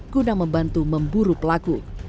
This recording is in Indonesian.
guna membantu memburu pelaku